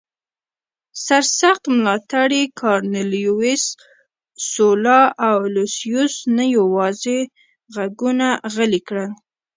سرسخت ملاتړي کارنلیوس سولا لوسیوس نه یوازې غږونه غلي کړل